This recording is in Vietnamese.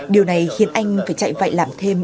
điều này khiến anh phải chạy vậy làm thêm